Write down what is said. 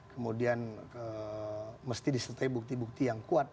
kemudian mesti disertai bukti bukti yang kuat